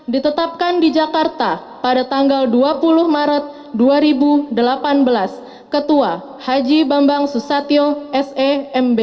ditetapkan di jakarta pada tanggal dua puluh maret dua ribu delapan belas ketua haji bambang susatyo semb